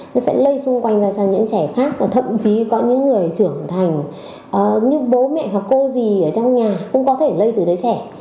nó sẽ lây xung quanh ra cho những trẻ khác và thậm chí có những người trưởng thành như bố mẹ hoặc cô gì ở trong nhà cũng có thể lây từ đứa trẻ